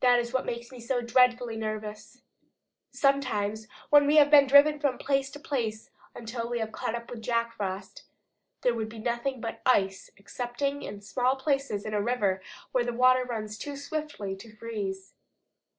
That is what makes me so dreadfully nervous. Sometimes, when we had been driven from place to place until we had caught up with Jack Frost, there would be nothing but ice excepting in small places in a river where the water runs too swiftly to freeze.